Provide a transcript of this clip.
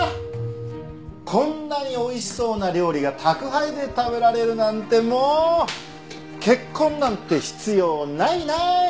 こんなにおいしそうな料理が宅配で食べられるなんてもう結婚なんて必要ないない！